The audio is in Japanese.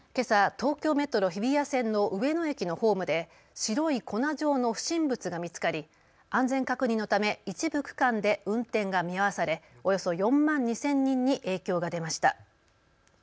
東京メトロ日比谷線の上野駅のホームで白い粉状の不審物が見つかり、安全確認のため一部区間で運転が見合わされおよそ４万２０００人に影響が出ました。